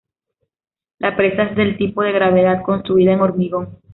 La presa es del tipo de gravedad, construida en hormigón.